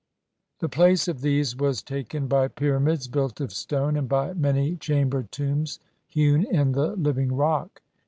The place of these was taken by pyramids built of stone, and by many cham bered tombs hewn in the living rock.